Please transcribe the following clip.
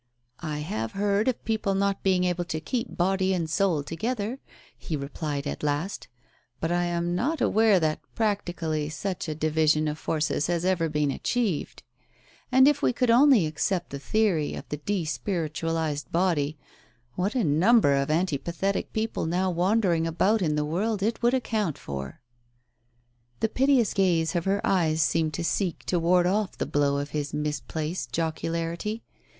" I have heard of people not being able to keep body and soul together," he replied at last, "but I am not aware that practically such a division of forces has ever been achieved. And if we could only accept the theory Digitized by Google u8 TALES OF THE UNEASY of the de spiritualized body, what a number of anti pathetic people now wandering about in the world it would account for !" The piteous gaze of her eyes seemed to seek to ward off the blow of his misplaced jocularity.